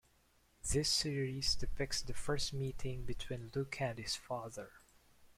This series depicts the first meeting between Luke and his father.